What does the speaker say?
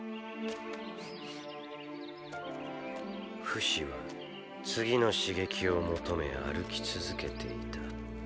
フシは次の刺激を求め歩き続けていた。